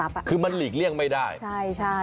อย่างแรกเลยก็คือการทำบุญเกี่ยวกับเรื่องของพวกการเงินโชคลาภ